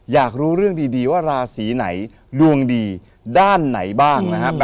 อยากรู้เรื่องดีว่าราศีไหนดวงดีด้านไหนบ้างนะครับ